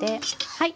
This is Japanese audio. はい。